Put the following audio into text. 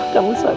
kamu sama aku roy